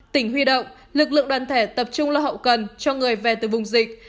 tỉnh huy động lực lượng đoàn thể tập trung lo hậu cần cho người về từ vùng dịch